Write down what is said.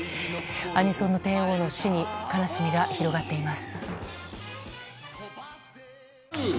アニソンの帝王の死に悲しみが広がっています。